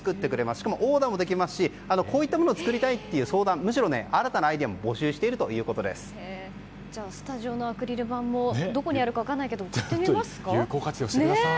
しかもオーダーもできますしこういったものを作りたいという相談むしろ新たなアイデアもスタジオのアクリル板も有効活用してください！